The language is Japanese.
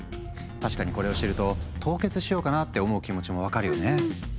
確かにこれを知ると凍結しようかなって思う気持ちも分かるよね。